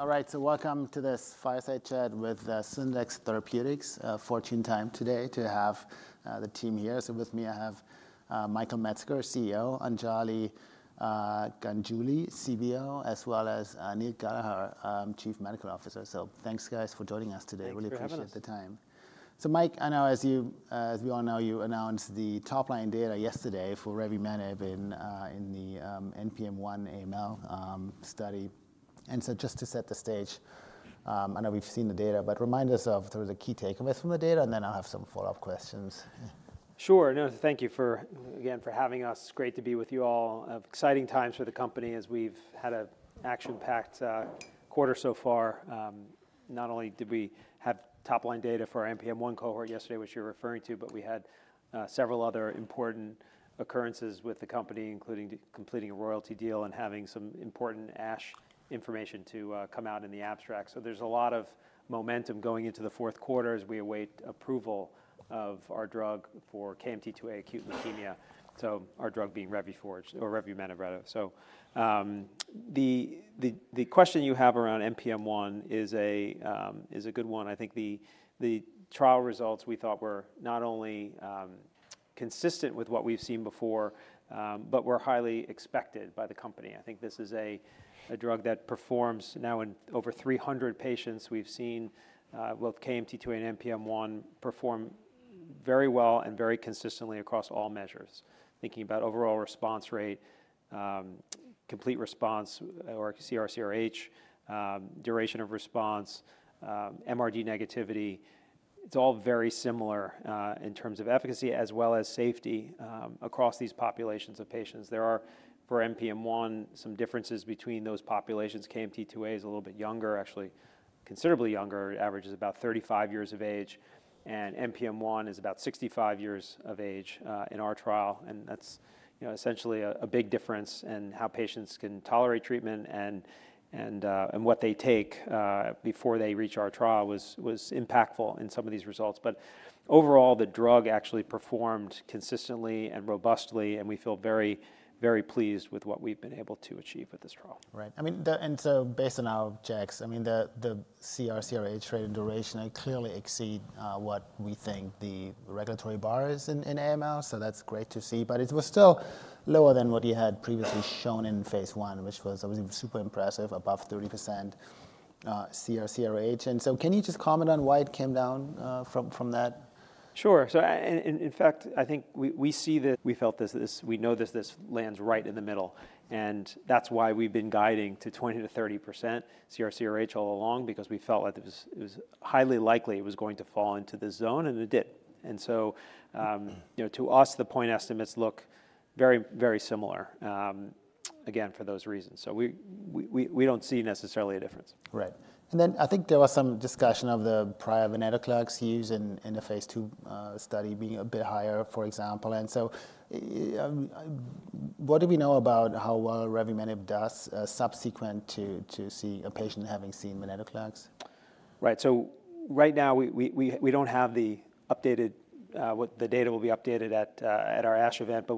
All right, so welcome to this fireside chat with Syndax Therapeutics. Fortunate time today to have the team here. So with me, I have Michael Metzger, CEO, Anjali Ganguly, CBO, as well as Neil Gallagher, Chief Medical Officer. So thanks, guys, for joining us today. Thank you. Really appreciate the time. So Mike, I know as we all know, you announced the top-line data yesterday for Revimenib in the NPM-1 AML study. And so just to set the stage, I know we've seen the data, but remind us of sort of the key takeaways from the data, and then I'll have some follow-up questions. Sure. No, thank you, again, for having us. It's great to be with you all. Exciting times for the company as we've had an action-packed quarter so far. Not only did we have top-line data for our NPM1 cohort yesterday, which you're referring to, but we had several other important occurrences with the company, including completing a royalty deal and having some important ASH information to come out in the abstract. So there's a lot of momentum going into the fourth quarter as we await approval of our drug for KMT2A acute leukemia, so our drug being Revimenib. So the question you have around NPM1 is a good one. I think the trial results we thought were not only consistent with what we've seen before, but were highly expected by the company. I think this is a drug that performs now in over 300 patients. We've seen both KMT2A and NPM1 perform very well and very consistently across all measures. Thinking about overall response rate, complete response, or CR, CRh, duration of response, MRD negativity, it's all very similar in terms of efficacy as well as safety across these populations of patients. There are, for NPM1, some differences between those populations. KMT2A is a little bit younger, actually considerably younger. It averages about 35 years of age. And NPM1 is about 65 years of age in our trial. And that's essentially a big difference in how patients can tolerate treatment and what they take before they reach our trial, was impactful in some of these results. But overall, the drug actually performed consistently and robustly, and we feel very, very pleased with what we've been able to achieve with this trial. Right. I mean, and so based on our checks, I mean, the CR/CRh rate and duration clearly exceed what we think the regulatory bar is in AML, so that's great to see. But it was still lower than what you had previously shown in phase one, which was, I mean, super impressive, above 30% CR/CRh. And so can you just comment on why it came down from that? Sure. So in fact, I think we see that. We felt this, we know this, this lands right in the middle. And that's why we've been guiding to 20%-30% CR/CRh all along, because we felt that it was highly likely it was going to fall into this zone, and it did. And so to us, the point estimates look very, very similar, again, for those reasons. So we don't see necessarily a difference. Right. And then I think there was some discussion of the prior venetoclax use in the phase 2 study being a bit higher, for example. And so what do we know about how well Revimenib does subsequent to seeing a patient having seen venetoclax? Right, so right now, we don't have the updated, what the data will be updated at our ASH event, but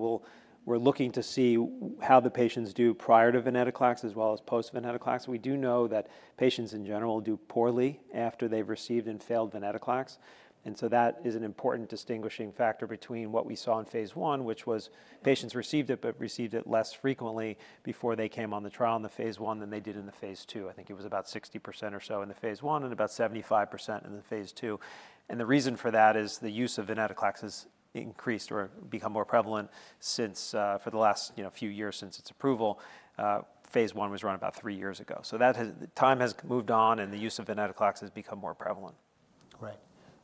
we're looking to see how the patients do prior to venetoclax as well as post-venetoclax. We do know that patients in general do poorly after they've received and failed venetoclax, and so that is an important distinguishing factor between what we saw in phase 1, which was patients received it, but received it less frequently before they came on the trial in the phase 1 than they did in the phase 2. I think it was about 60% or so in the phase 1 and about 75% in the phase 2, and the reason for that is the use of venetoclax has increased or become more prevalent since for the last few years since its approval. Phase 1 was around about three years ago. Time has moved on, and the use of venetoclax has become more prevalent. Right.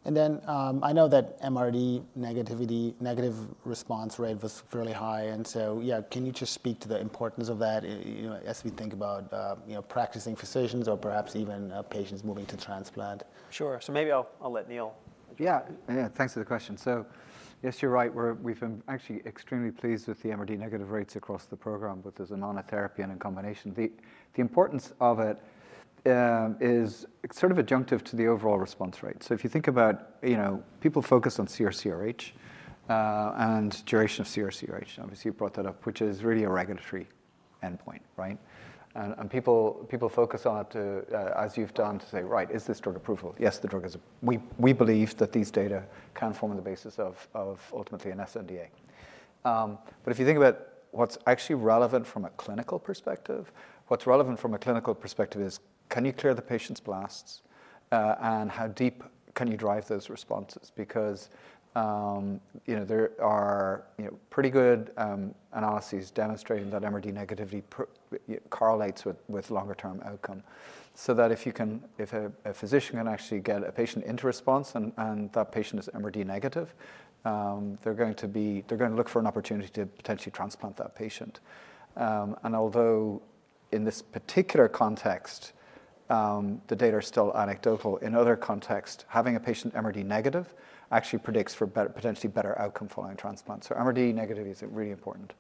And then I know that MRD negativity, negative response rate was fairly high. And so, yeah, can you just speak to the importance of that as we think about practicing physicians or perhaps even patients moving to transplant? Sure. So maybe I'll let Neil address that. Yeah. Yeah, thanks for the question. So yes, you're right. We've been actually extremely pleased with the MRD negative rates across the program with this amount of therapy and in combination. The importance of it is sort of adjunctive to the overall response rate. So if you think about people focus on CR/CRh and duration of CR/CRh, obviously you brought that up, which is really a regulatory endpoint, right? And people focus on it, as you've done, to say, right, is this drug approval? Yes, the drug is approved. We believe that these data can form on the basis of ultimately an SNDA. But if you think about what's actually relevant from a clinical perspective, what's relevant from a clinical perspective is, can you clear the patient's blasts? And how deep can you drive those responses? Because there are pretty good analyses demonstrating that MRD negativity correlates with longer-term outcome. So that if a physician can actually get a patient into response and that patient is MRD negative, they're going to look for an opportunity to potentially transplant that patient. And although in this particular context, the data are still anecdotal, in other contexts, having a patient MRD negative actually predicts for potentially better outcome following transplant. So MRD negativity is really important.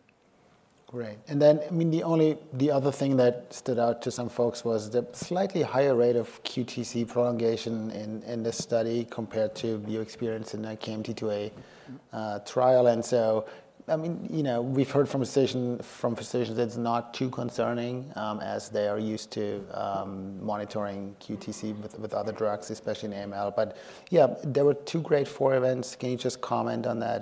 Great. And then, I mean, the other thing that stood out to some folks was the slightly higher rate of QTc prolongation in this study compared to your experience in the KMT2A trial. And so, I mean, we've heard from physicians that it's not too concerning as they are used to monitoring QTc with other drugs, especially in AML. But yeah, there were two grade four events. Can you just comment on that?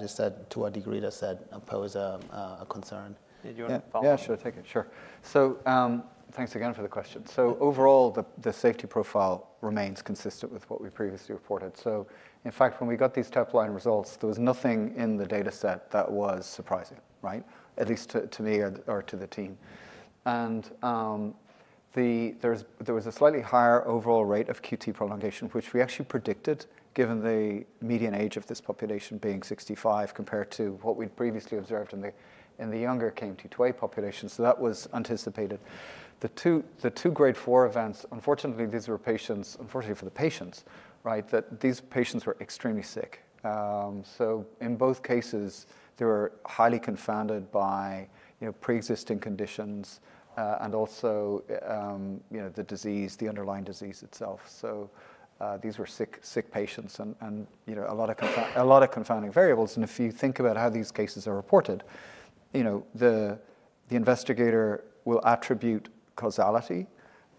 To what degree does that pose a concern? Yeah, sure. Take it. Sure. So thanks again for the question. So overall, the safety profile remains consistent with what we previously reported. So in fact, when we got these top-line results, there was nothing in the dataset that was surprising, right? At least to me or to the team. And there was a slightly higher overall rate of QTc prolongation, which we actually predicted given the median age of this population being 65 compared to what we'd previously observed in the younger KMT2A population. So that was anticipated. The two grade four events, unfortunately, these were patients, unfortunately for the patients, right, that these patients were extremely sick. So in both cases, they were highly confounded by pre-existing conditions and also the disease, the underlying disease itself. So these were sick patients and a lot of confounding variables. If you think about how these cases are reported, the investigator will attribute causality,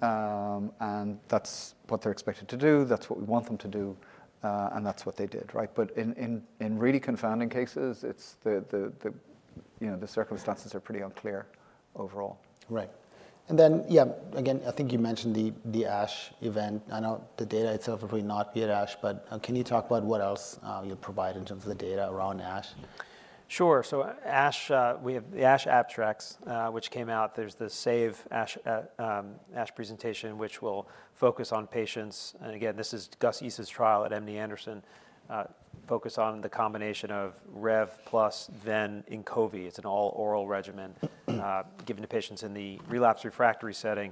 and that's what they're expected to do. That's what we want them to do, and that's what they did, right? But in really confounding cases, the circumstances are pretty unclear overall. Right. And then, yeah, again, I think you mentioned the ASH event. I know the data itself will probably not be at ASH, but can you talk about what else you'll provide in terms of the data around ASH? Sure. So we have the ASH abstracts, which came out. There's the SAVE ASH presentation, which will focus on patients. And again, this is Ghayas Issa's trial at MD Anderson, focused on the combination of Rev plus then Inqovi. It's an all-oral regimen given to patients in the relapse refractory setting.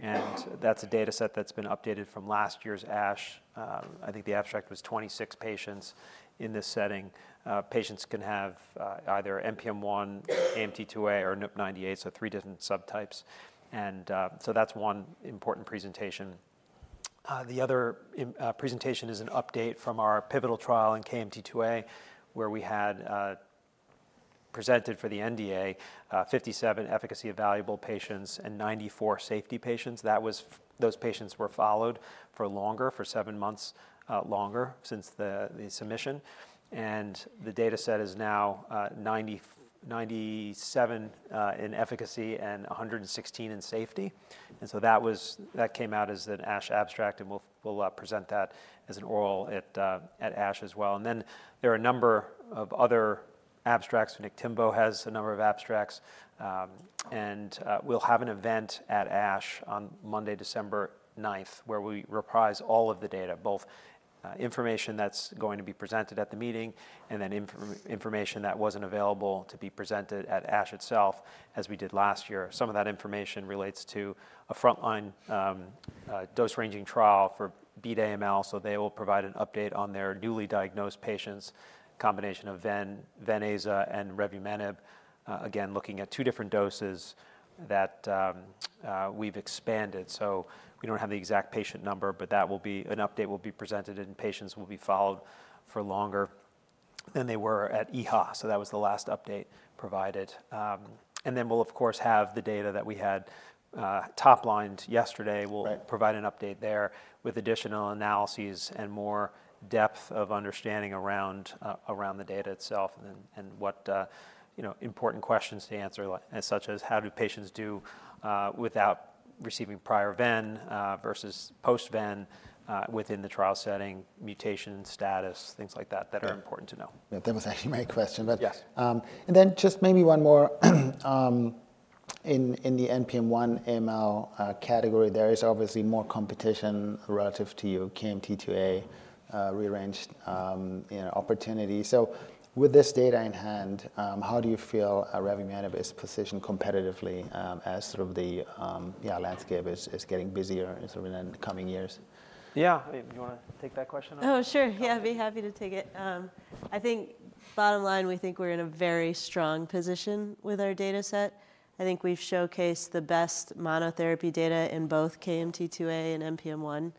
And that's a dataset that's been updated from last year's ASH. I think the abstract was 26 patients in this setting. Patients can have either NPM1, KMT2A, or NUP98, so three different subtypes. And so that's one important presentation. The other presentation is an update from our pivotal trial in KMT2A, where we had presented for the NDA 57 efficacy evaluable patients and 94 safety patients. Those patients were followed for longer, for seven months longer since the submission. And the dataset is now 97 in efficacy and 116 in safety. And so that came out as an ASH abstract, and we'll present that as an oral at ASH as well. And then there are a number of other abstracts. Nick Botwood has a number of abstracts. And we'll have an event at ASH on Monday, December 9th, where we reprise all of the data, both information that's going to be presented at the meeting and then information that wasn't available to be presented at ASH itself, as we did last year. Some of that information relates to a frontline dose-ranging trial for Beat AML. So they will provide an update on their newly diagnosed patients, a combination of Venclexta and Revimenib, again, looking at two different doses that we've expanded. So we don't have the exact patient number, but an update will be presented, and patients will be followed for longer than they were at EHA. That was the last update provided. Then we'll, of course, have the data that we had top-lined yesterday. We'll provide an update there with additional analyses and more depth of understanding around the data itself and what important questions to answer, such as how do patients do without receiving prior ven versus post-ven within the trial setting, mutation status, things like that that are important to know. That was actually my question, but. Yes. And then just maybe one more. In the NPM-1 AML category, there is obviously more competition relative to your KMT2A rearranged opportunity. So with this data in hand, how do you feel Revimenib is positioned competitively as sort of the landscape is getting busier in the coming years? Yeah, Anjali. Do you want to take that question? Oh, sure. Yeah, I'd be happy to take it. I think bottom line, we think we're in a very strong position with our dataset. I think we've showcased the best monotherapy data in both KMT2A and NPM1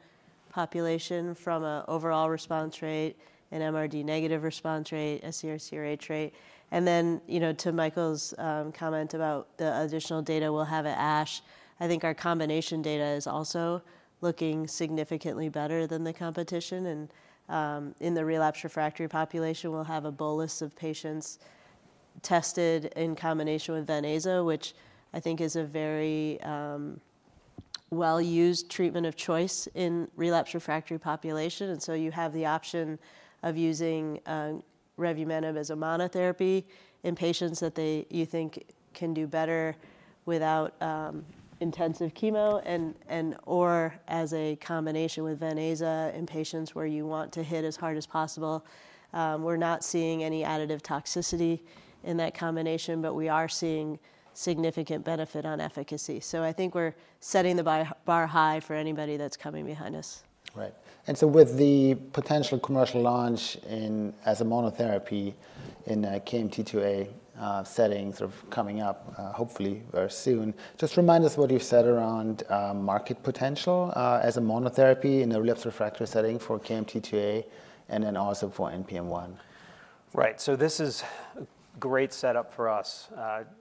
population from an overall response rate and MRD-negative response rate, CR/CRh rate. And then to Michael's comment about the additional data, we'll have at ASH. I think our combination data is also looking significantly better than the competition. And in the relapse refractory population, we'll have a bolus of patients tested in combination with Venclexta, which I think is a very well-used treatment of choice in relapse refractory population. And so you have the option of using Revimenib as a monotherapy in patients that you think can do better without intensive chemo and/or as a combination with Venclexta in patients where you want to hit as hard as possible. We're not seeing any additive toxicity in that combination, but we are seeing significant benefit on efficacy. So I think we're setting the bar high for anybody that's coming behind us. Right. And so with the potential commercial launch as a monotherapy in KMT2A settings sort of coming up hopefully very soon, just remind us what you said around market potential as a monotherapy in the relapse refractory setting for KMT2A and then also for NPM1. Right. So this is a great setup for us,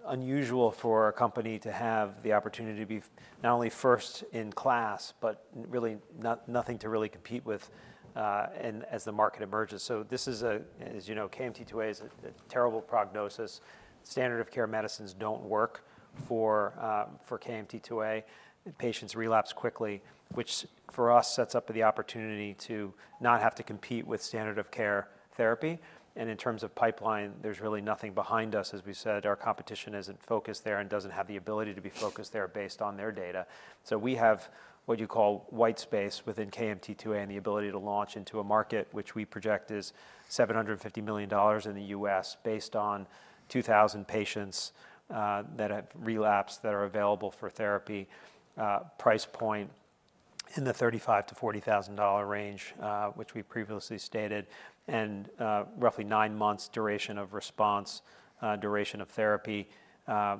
unusual for a company to have the opportunity to be not only first in class, but really nothing to really compete with as the market emerges. So this is a, as you know, KMT2A is a terrible prognosis. Standard of care medicines don't work for KMT2A. Patients relapse quickly, which for us sets up the opportunity to not have to compete with standard of care therapy. And in terms of pipeline, there's really nothing behind us, as we said. Our competition isn't focused there and doesn't have the ability to be focused there based on their data. So we have what you call white space within KMT2A and the ability to launch into a market, which we project is $750 million in the U.S. based on 2,000 patients that have relapsed that are available for therapy, price point in the $35,000-$40,000 range, which we previously stated, and roughly nine months duration of response, duration of therapy,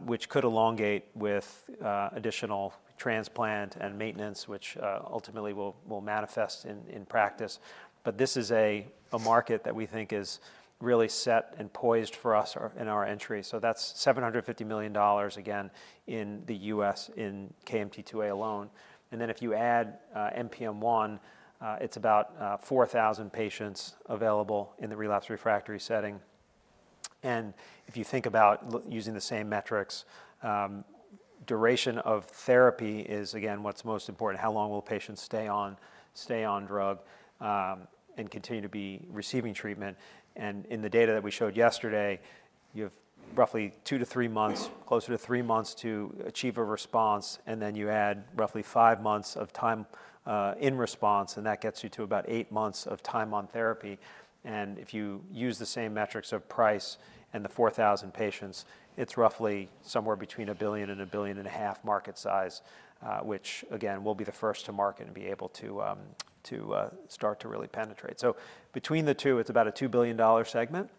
which could elongate with additional transplant and maintenance, which ultimately will manifest in practice. But this is a market that we think is really set and poised for us in our entry. So that's $750 million, again, in the U.S. in KMT2A alone. And then if you add NPM-1, it's about 4,000 patients available in the relapse refractory setting. And if you think about using the same metrics, duration of therapy is, again, what's most important. How long will patients stay on drug and continue to be receiving treatment? In the data that we showed yesterday, you have roughly two to three months, closer to three months to achieve a response, and then you add roughly five months of time in response, and that gets you to about eight months of time on therapy. And if you use the same metrics of price and the 4,000 patients, it's roughly somewhere between $1 billion and $1.5 billion market size, which, again, will be the first to market and be able to start to really penetrate. So between the two, it's about a $2 billion segment.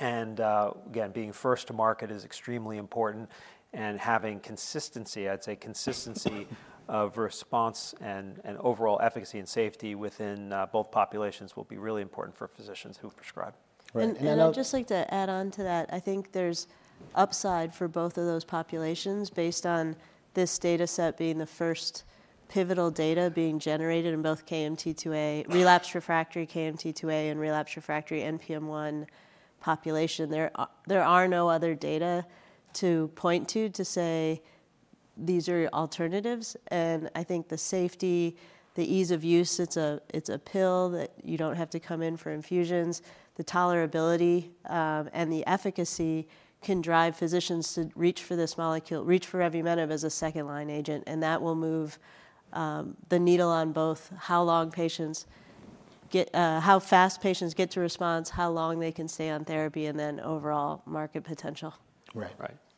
And again, being first to market is extremely important. And having consistency, I'd say consistency of response and overall efficacy and safety within both populations will be really important for physicians who prescribe. And I'd just like to add on to that. I think there's upside for both of those populations based on this dataset being the first pivotal data being generated in both KMT2A, relapse refractory KMT2A and relapse refractory NPM-1 population. There are no other data to point to to say these are alternatives. And I think the safety, the ease of use, it's a pill that you don't have to come in for infusions. The tolerability and the efficacy can drive physicians to reach for this molecule, reach for Revimenib as a second-line agent. And that will move the needle on both how long patients get, how fast patients get to response, how long they can stay on therapy, and then overall market potential. Right.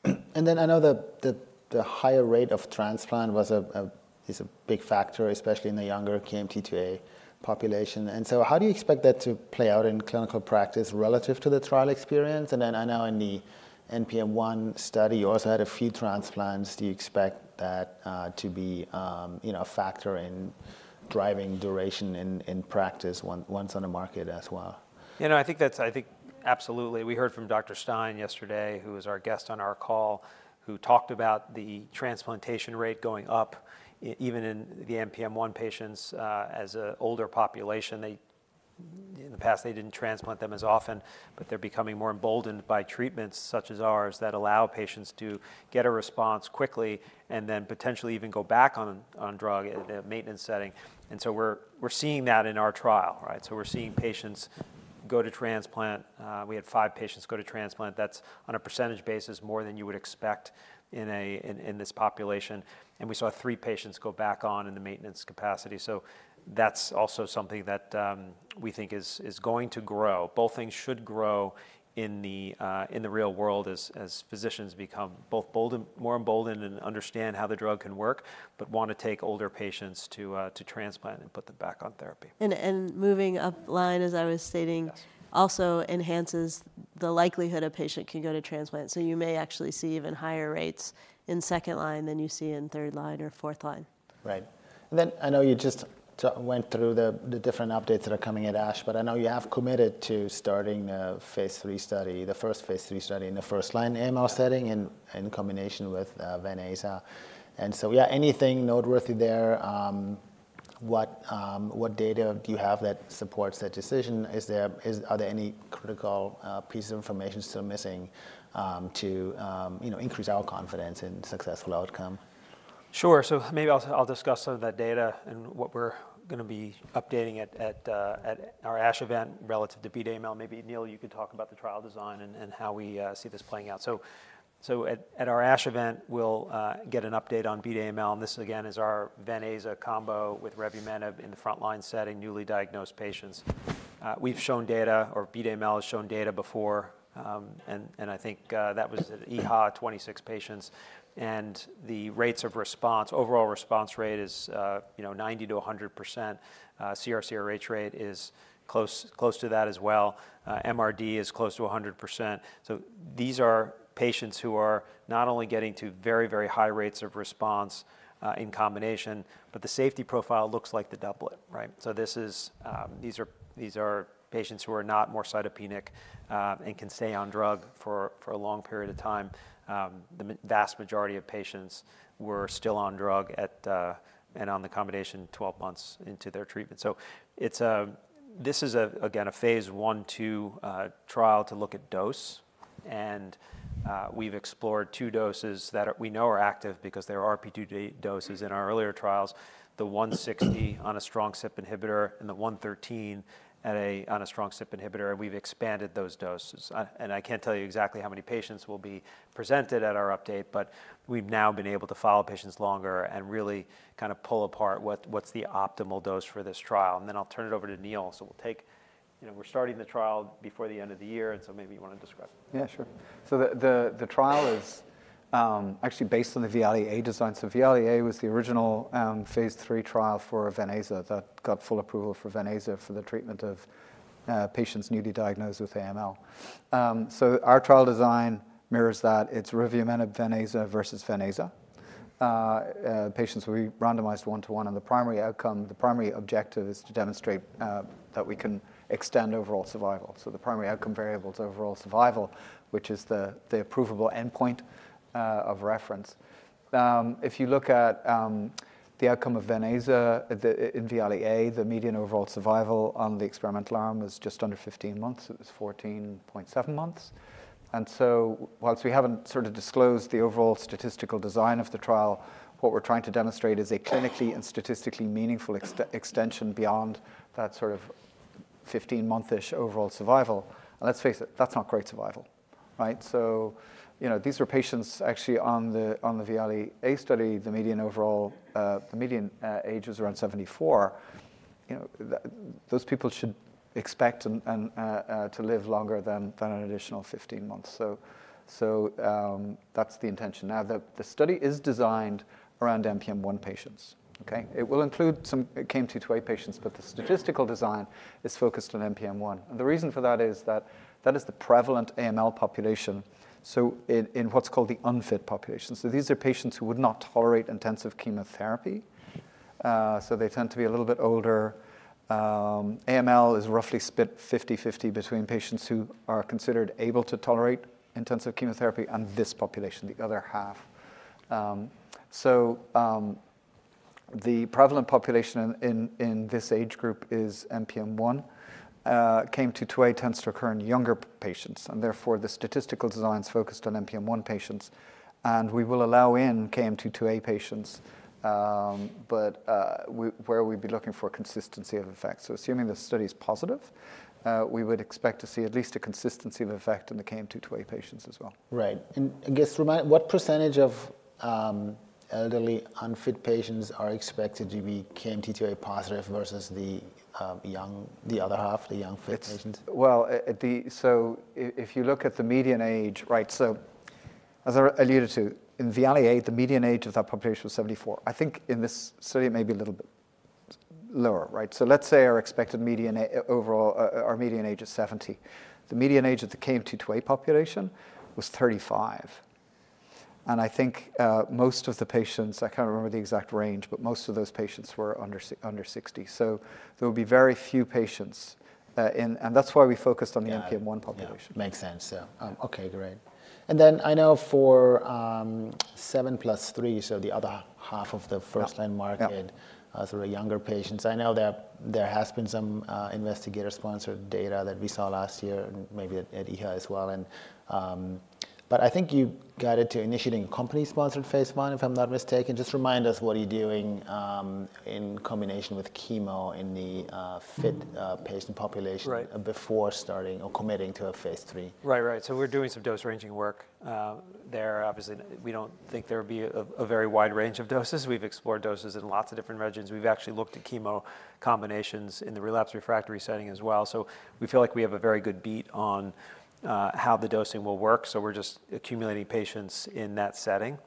And then I know the higher rate of transplant is a big factor, especially in the younger KMT2A population. And so how do you expect that to play out in clinical practice relative to the trial experience? And then I know in the NPM-1 study, you also had a few transplants. Do you expect that to be a factor in driving duration in practice once on the market as well? You know, I think that's absolutely. We heard from Dr. Stein yesterday, who was our guest on our call, who talked about the transplantation rate going up even in the NPM1 patients as an older population. In the past, they didn't transplant them as often, but they're becoming more emboldened by treatments such as ours that allow patients to get a response quickly and then potentially even go back on drug in the maintenance setting. We're seeing that in our trial, right? We're seeing patients go to transplant. We had five patients go to transplant. That's on a percentage basis more than you would expect in this population. We saw three patients go back on in the maintenance capacity. That's also something that we think is going to grow. Both things should grow in the real world as physicians become both more emboldened and understand how the drug can work, but want to take older patients to transplant and put them back on therapy. And moving up line, as I was stating, also enhances the likelihood a patient can go to transplant. So you may actually see even higher rates in second line than you see in third line or fourth line. Right. And then I know you just went through the different updates that are coming at ASH, but I know you have committed to starting a phase 3 study, the first phase 3 study in the first-line AML setting in combination with Venclexta. And so, yeah, anything noteworthy there? What data do you have that supports that decision? Are there any critical pieces of information still missing to increase our confidence in successful outcome? Sure. So maybe I'll discuss some of that data and what we're going to be updating at our ASH event relative to Beat AML. Maybe Neil, you could talk about the trial design and how we see this playing out. So at our ASH event, we'll get an update on Beat AML. And this, again, is our Ven/Aza combo with Revimenib in the frontline setting, newly diagnosed patients. We've shown data, or Beat AML has shown data before. And I think that was EHA, 26 patients. And the rates of response, overall response rate is 90%-100%. CR/CRh rate is close to that as well. MRD is close to 100%. So these are patients who are not only getting to very, very high rates of response in combination, but the safety profile looks like the double, right? So these are patients who are not more cytopenic and can stay on drug for a long period of time. The vast majority of patients were still on drug and on the combination 12 months into their treatment. So this is, again, a phase one, two trial to look at dose. And we've explored two doses that we know are active because there are RP2D doses in our earlier trials, the 160 on a strong CYP inhibitor and the 113 on a strong CYP inhibitor. And we've expanded those doses. And I can't tell you exactly how many patients will be presented at our update, but we've now been able to follow patients longer and really kind of pull apart what's the optimal dose for this trial. And then I'll turn it over to Neil. We're starting the trial before the end of the year, and so maybe you want to describe it. Yeah, sure. So the trial is actually based on the VIALE-A design. So VIALE-A was the original phase three trial for Venclexta that got full approval for Venclexta for the treatment of patients newly diagnosed with AML. So our trial design mirrors that. It's Revimenib, Venclexta versus Venclexta. Patients will be randomized one to one. And the primary outcome, the primary objective is to demonstrate that we can extend overall survival. So the primary outcome variable is overall survival, which is the provable endpoint of reference. If you look at the outcome of Venclexta in VIALE-A, the median overall survival on the experimental arm is just under 15 months. It was 14.7 months. And so while we haven't sort of disclosed the overall statistical design of the trial, what we're trying to demonstrate is a clinically and statistically meaningful extension beyond that sort of 15-month-ish overall survival. And let's face it, that's not great survival, right? So these are patients actually on the VIALE-A study. The median overall, the median age was around 74. Those people should expect to live longer than an additional 15 months. So that's the intention. Now, the study is designed around NPM-1 patients, okay? It will include some KMT2A patients, but the statistical design is focused on NPM-1. And the reason for that is that that is the prevalent AML population. So in what's called the unfit population. So these are patients who would not tolerate intensive chemotherapy. So they tend to be a little bit older. AML is roughly split 50-50 between patients who are considered able to tolerate intensive chemotherapy and this population, the other half. So the prevalent population in this age group is NPM-1. KMT2A tends to occur in younger patients. And therefore, the statistical design is focused on NPM1 patients. And we will allow in KMT2A patients, but where we'd be looking for consistency of effects. So assuming the study is positive, we would expect to see at least a consistency of effect in the KMT2A patients as well. Right. And I guess, what percentage of elderly unfit patients are expected to be KMT2A positive versus the young, the other half, the young fit patients? Well, so if you look at the median age, right? So as I alluded to, in VIALE-A, the median age of that population was 74. I think in this study, it may be a little bit lower, right? So let's say our expected median age, our median age is 70. The median age of the KMT2A population was 35. And I think most of the patients, I can't remember the exact range, but most of those patients were under 60. So there will be very few patients. And that's why we focused on the NPM-1 population. Makes sense. Okay, great. And then I know for seven plus three, so the other half of the first-line market, sort of younger patients, I know there has been some investigator-sponsored data that we saw last year, maybe at EHA as well. But I think you got it to initiating company-sponsored phase 1, if I'm not mistaken. Just remind us what are you doing in combination with chemo in the fit patient population before starting or committing to a phase 3. Right, right. So we're doing some dose ranging work there. Obviously, we don't think there would be a very wide range of doses. We've explored doses in lots of different regimens. We've actually looked at chemo combinations in the relapse refractory setting as well. So we feel like we have a very good beat on how the dosing will work. So we're just accumulating patients in that setting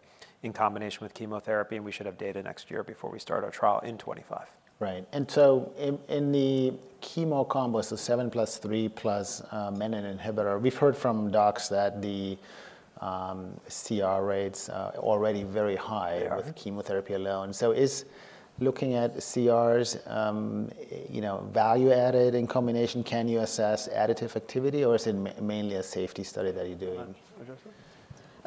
in combination with chemotherapy, and we should have data next year before we start our trial in 2025. Right. And so in the chemo combo, so seven plus three plus menin inhibitor, we've heard from docs that the CR rates are already very high with chemotherapy alone. So, looking at CRs, value added in combination, can you assess additive activity, or is it mainly a safety study that you're doing?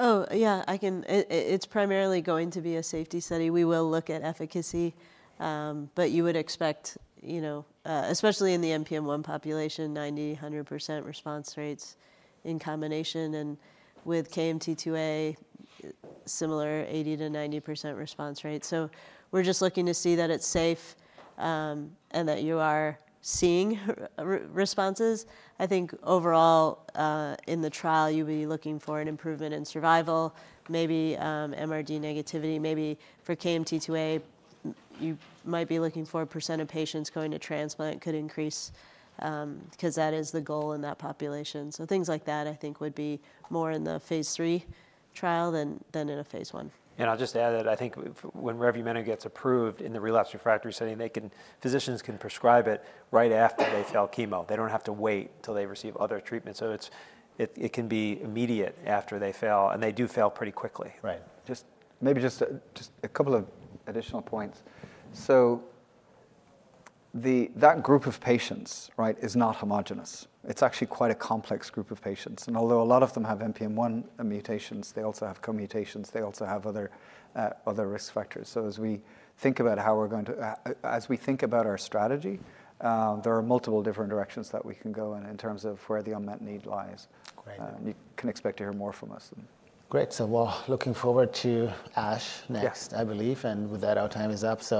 Oh, yeah, I can. It's primarily going to be a safety study. We will look at efficacy, but you would expect, especially in the NPM1 population, 90%-100% response rates in combination, and with KMT2A, similar 80%-90% response rate. We're just looking to see that it's safe and that you are seeing responses. I think overall, in the trial, you'll be looking for an improvement in survival, maybe MRD negativity. Maybe for KMT2A, you might be looking for a percent of patients going to transplant could increase because that is the goal in that population. Things like that, I think, would be more in the phase 3 trial than in a phase 1. And I'll just add that I think when Revimenib gets approved in the relapse refractory setting, physicians can prescribe it right after they fail chemo. They don't have to wait until they receive other treatment. So it can be immediate after they fail. And they do fail pretty quickly. Right. Maybe just a couple of additional points. So that group of patients, right, is not homogeneous. It's actually quite a complex group of patients. And although a lot of them have NPM1 mutations, they also have co-mutations. They also have other risk factors. So as we think about how we're going to, as we think about our strategy, there are multiple different directions that we can go in terms of where the unmet need lies. You can expect to hear more from us. Great. So we're looking forward to ASH next, I believe. And with that, our time is up. So.